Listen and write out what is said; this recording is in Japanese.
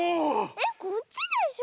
えっこっちでしょ。